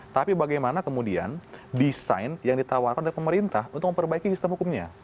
tapi bagaimana kemudian desain yang ditawarkan oleh pemerintah untuk memperbaiki sistem hukumnya